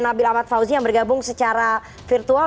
nabil ahmad fauzi yang bergabung secara virtual